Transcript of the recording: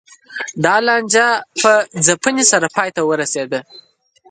دا لانجه په ځپنې سره پای ته ورسېده.